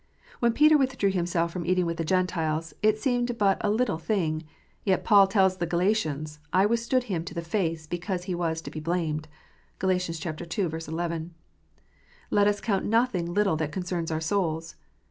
When Peter withdrew himself from eating with the Gentiles, it seemed but a little thing ; yet Paul tells the Galatians, " I withstood him to the face, because he was to be blamed." (Gal. ii. 11.) Let us count nothing little that concerns our souls.